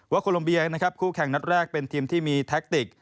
ว่าโคลมเบียงคู่แข่งนัดแรกเป็นทีมที่มีแท็กติก